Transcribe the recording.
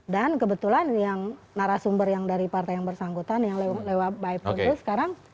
dan kebetulan yang narasumber yang dari partai yang bersangkutan yang lewat by produce sekarang